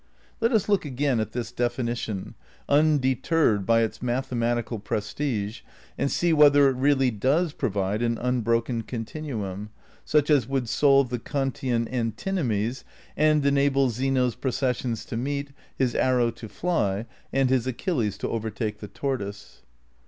Let us look again at this definition, undeterred b^^ its mathematical prestige, and see whether it really does provide an unbroken continuum, such as would solve the Kantian antinomies and enable Zeno's pro cessions to meet, his arrow to fly, and his Achilles to overtake the tortoise.